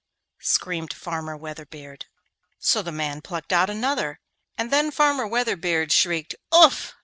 screamed Farmer Weatherbeard. So the man plucked out another, and then Farmer Weatherbeard shrieked 'Oof!